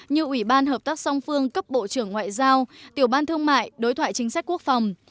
như ủy ban hợp tác song phương cấp bộ trưởng ngoại giao tiểu ban thương mại đối thoại chính sách quốc phòng